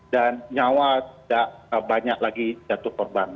dan nyawa tidak banyak lagi jatuh perban